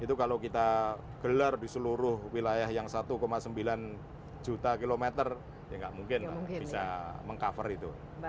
itu kalau kita gelar di seluruh wilayah yang satu sembilan juta kilometer ya nggak mungkin bisa meng cover itu